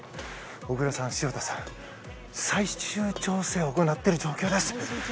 小椋さん、潮田さんが最終調整を行っている状況です。